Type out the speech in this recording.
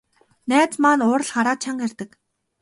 Найз маань уурлахаараа чанга ярьдаг.